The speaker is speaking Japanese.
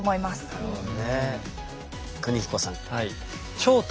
なるほど。